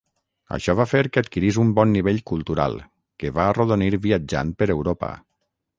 Això va fer que adquirís un bon nivell cultural, que va arrodonir viatjant per Europa.